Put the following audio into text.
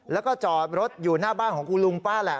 แล้วก็จอดรถอยู่หน้าบ้านของคุณลุงป้าแหละ